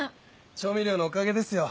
調味料のおかげですよ。